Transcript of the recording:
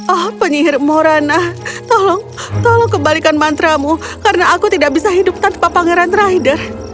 ah penyihir morana tolong tolong kembalikan mantra mu karena aku tidak bisa hidup tanpa pangeran raider